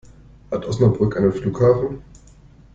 Hat Osnabrück einen Flughafen?